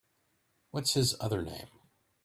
What’s his other name?